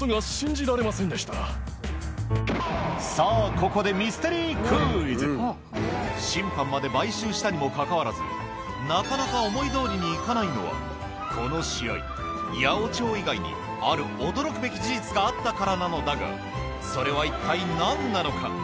ここで審判まで買収したにもかかわらずなかなか思いどおりに行かないのはこの試合八百長以外にある驚くべき事実があったからなのだがそれは一体何なのか？